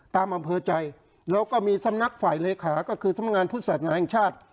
อำเภอใจแล้วก็มีสำนักฝ่ายเลขาก็คือสำนักงานพุทธศาสนาแห่งชาติ